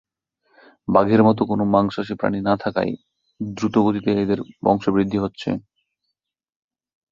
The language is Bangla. বাঘের মতো কোনো মাংসাশী প্রাণী না থাকায় দ্রুতগতিতে এদের বংশবৃদ্ধি হচ্ছে।